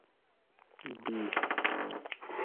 بی